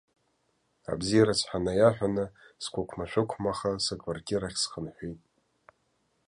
Абзиараз ҳәа наиаҳәаны сқәықәмашәықәмаха сыквартирахь схынҳәит.